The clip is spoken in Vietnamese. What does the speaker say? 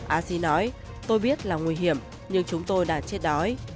asi nói tôi biết là nguy hiểm nhưng chúng tôi đã chết đói